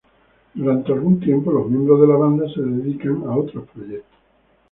Durante algún tiempo los miembros de la banda se dedican a otros proyectos.